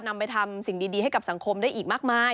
นำไปทำสิ่งดีให้กับสังคมได้อีกมากมาย